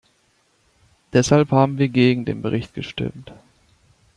Deshalb haben wir gegen den Bericht gestimmt.